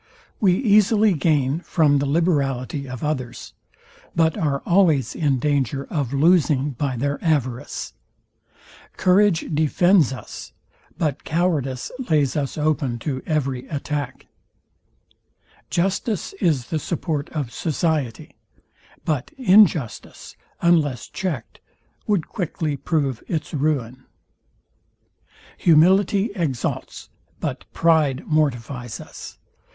We easily gain from the liberality of others, but are always in danger of losing by their avarice: Courage defends us, but cowardice lays us open to every attack: Justice is the support of society, but injustice, unless checked would quickly prove its ruin: Humility exalts; but pride mortifies us.